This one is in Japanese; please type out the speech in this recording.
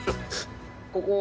ここ。